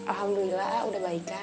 alhamdulillah sudah baikan